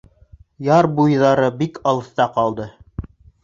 Яр буйҙары бик алыҫта ҡалды.